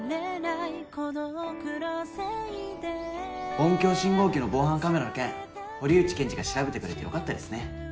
音響信号機の防犯カメラの件堀内検事が調べてくれて良かったですね。